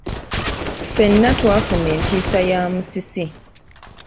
Ffenna twafuna entiisa ya musisi.